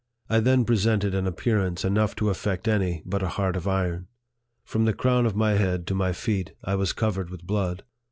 I then presented an appearance enough to affect any but a heart of iron. From the crown of my head to my feet, I was covered with blood.